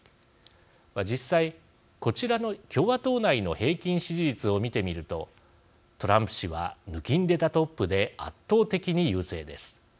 実際こちらの共和党内の平均支持率を見てみるとトランプ氏はぬきんでたトップで圧倒的に優勢です。